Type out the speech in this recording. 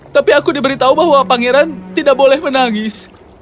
tapi aku diberitahu bahwa pangeran tidak boleh menangis